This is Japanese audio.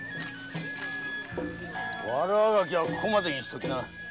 悪あがきはここまでにしときな。